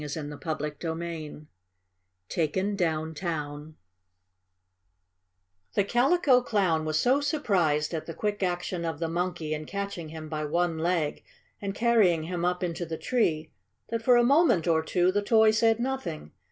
CHAPTER V TAKEN DOWN TOWN The Calico Clown was so surprised at the quick action of the monkey in catching him by one leg and carrying him up into the tree, that, for a moment or two, the toy said nothing.